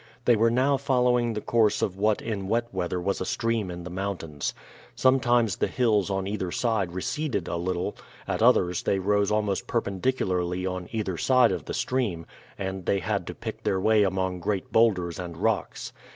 They were now following the course of what in wet weather was a stream in the mountains. Sometimes the hills on either side receded a little; at others they rose almost perpendicularly on either side of the stream, and they had to pick their way among great bowlders and rocks.